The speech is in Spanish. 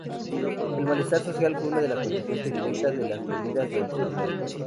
El malestar social fue una consecuencia directa de las medidas de austeridad.